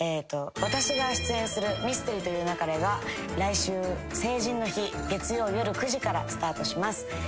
私が出演する『ミステリと言う勿れ』が来週成人の日月曜夜９時からスタートします。